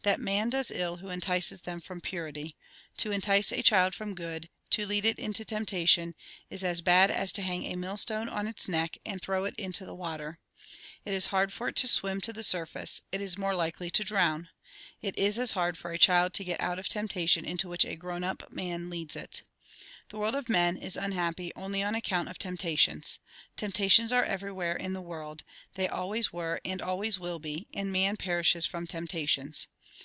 " That man does ill who entices them from purity. To entice a child from good, to lead it into temptation, is as bad as to hang a millstone on its neck and throw it into the water. It is hard for it to swim to the surface; it is more likely to drown. It is as hard for a child to get out of temptation into which a grown up man leads it. " The world of men is unhappy only on account of temptations. Temptations are everywhere in the world, they always were and always will be ; and man perishes from temptations.